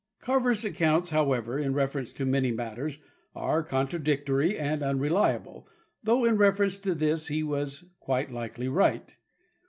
Carver's accounts, however, in reference to many matters, are contradictory and unreliable, though in reference to this he was quite likely right.